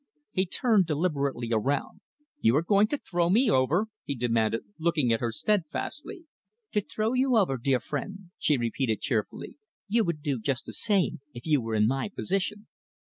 He turned deliberately around. "You are going to throw me over?" he demanded, looking at her steadfastly. "To throw you over, dear friend," she repeated cheerfully. "You would do just the same, if you were in my position."